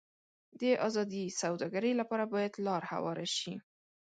د ازادې سوداګرۍ لپاره باید لار هواره شي.